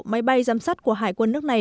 máy bay giám sát của hải quân nước này